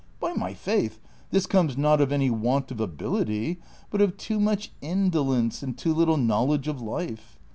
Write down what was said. By my faith, this comes, not of any Avant of ability, but of too much indolence and too little knowledge of life.